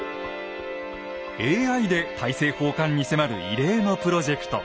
ＡＩで大政奉還に迫る異例のプロジェクト。